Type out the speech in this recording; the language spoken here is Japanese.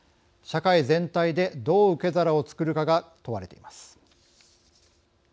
社会全体でどう受け皿を作るかが問われています。